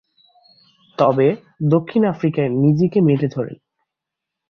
তবে, দক্ষিণ আফ্রিকায় নিজেকে মেলে ধরেন।